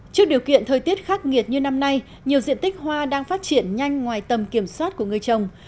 trước điều kiện thời tiết khắc nghiệt như năm nay nhiều diện tích hoa đang phát triển nhanh ngoài tầm kiểm soát của người trồng